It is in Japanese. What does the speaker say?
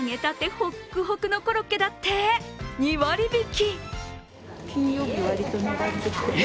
ホックホクのコロッケだって２割引き。